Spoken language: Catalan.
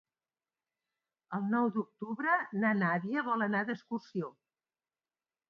El nou d'octubre na Nàdia vol anar d'excursió.